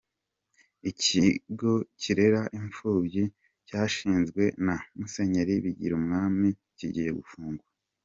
Ikigo kirera impfubyi cyashinzwe na Musenyeri Bigirumwami kigiye gufungwa